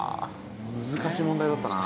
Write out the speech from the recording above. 難しい問題だったな。